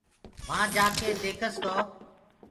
وهآنٚ جآڪي ديکس تو